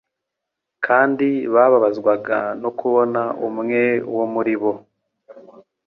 Kandi bababazwaga no kubona umwe wo muri bo